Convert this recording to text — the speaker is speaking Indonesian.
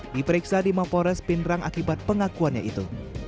diperiksa di mapores pindrang akibat pengakuannya itu